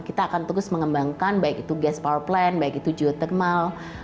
kita akan terus mengembangkan baik itu gas power plan baik itu geothermal